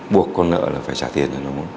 buộc con nợ là phải trả tiền